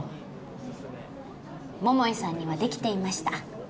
桃井さんにはできていました